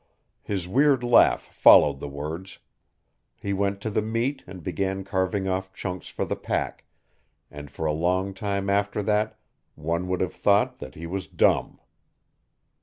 His weird laugh followed the words. He went to the meat and began carving off chunks for the pack, and for a long time after that one would have thought that he was dumb.